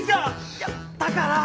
いやだからあの。